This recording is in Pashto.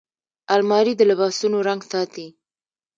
الماري د لباسونو رنګ ساتي